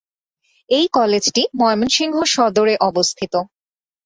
এই কলেজটি ময়মনসিংহ সদরে অবস্থিত।